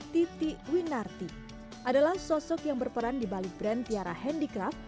titi winarti adalah sosok yang berperan di balik brand tiara handicraft